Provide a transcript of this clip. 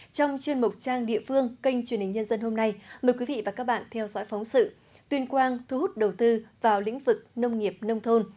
trong chuyên mục trang địa phương kênh truyền hình nhân dân hôm nay mời quý vị và các bạn theo dõi phóng sự tuyên quang thu hút đầu tư vào lĩnh vực nông nghiệp nông thôn